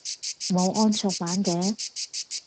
冇安卓版嘅？